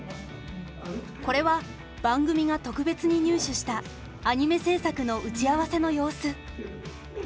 これは番組が特別に入手したアニメ制作の打ち合わせの様子。